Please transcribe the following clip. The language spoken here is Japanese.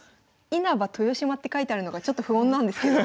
豊島って書いてあるのがちょっと不穏なんですけど。